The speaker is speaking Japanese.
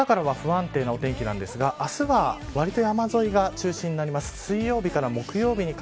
こちらも、あしたからは不安定なお天気なんですが明日は、わりと山沿いが中心になります。